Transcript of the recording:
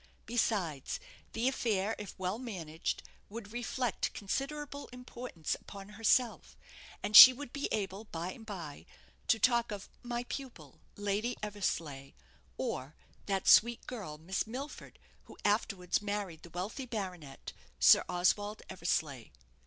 Besides, the affair, if well managed, would reflect considerable importance upon herself, and she would be able by and bye to talk of "my pupil, Lady Eversleigh;" or, "that sweet girl, Miss Milford, who afterwards married the wealthy baronet, Sir Oswald Eversleigh."